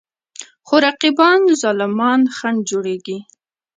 خو رقیبان ظالمان خنډ جوړېږي.